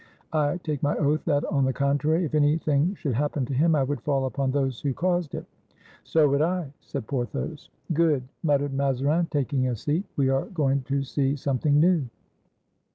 I take my oath that, on the contrary, if anything should happen to him I would fall upon those who caused it." "So would I," said Porthos. "Good!" muttered Mazarin, taking a seat, "we are going to see something new."